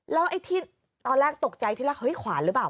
แล้วตอนแรกตกใจที่ล่ะขวานรึเปล่า